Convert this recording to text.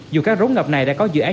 dù các rống ngập này đã có dự án